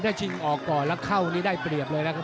ถ้าชิงออกก่อนแล้วเข้านี่ได้เปรียบเลยนะครับ